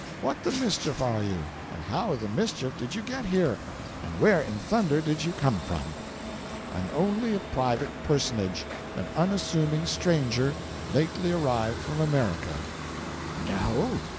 what the mischief are you? and how the mischief did you get here, and where in thunder did you come from?" "I'm only a private personage—an unassuming stranger—lately arrived from America." "No?